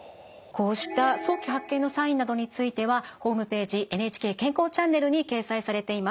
こうした早期発見のサインなどについてはホームページ「ＮＨＫ健康チャンネル」に掲載されています。